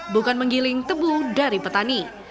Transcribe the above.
bukan menggiling tebu dari petani